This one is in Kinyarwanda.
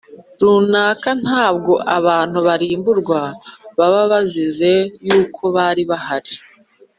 Runaka ntabwo abantu barimburwa baba bazize y uko bari bahari